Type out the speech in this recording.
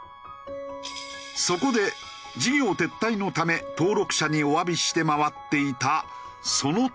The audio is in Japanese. そこで事業撤退のため登録者にお詫びして回っていたその時。